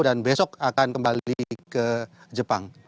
dan besok akan kembali ke jepang